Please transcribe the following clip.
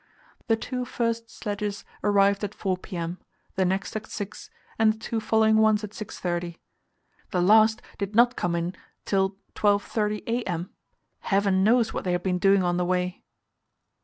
The two first sledges arrived at 4 p.m.; the next at 6, and the two following ones at 6.30. The last did not come in till 12.30 a.m. Heaven knows what they had been doing on the way!